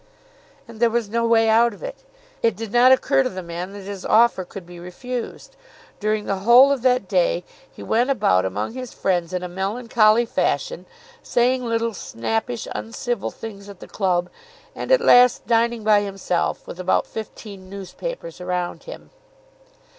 And there was no way out of it. It did not occur to the man that his offer could be refused. During the whole of that day he went about among his friends in a melancholy fashion, saying little snappish uncivil things at the club, and at last dining by himself with about fifteen newspapers around him.